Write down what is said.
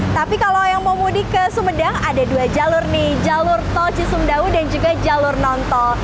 tapi kalau yang mau mudik ke sumedang ada dua jalur nih jalur tol cisumdawu dan juga jalur non tol